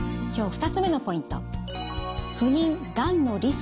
今日２つ目のポイント。